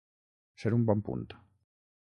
Ser un bon punt.